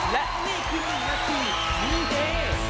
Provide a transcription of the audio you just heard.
และนี่คือหน้าที่นีเฮ